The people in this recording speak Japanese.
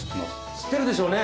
知ってるでしょうね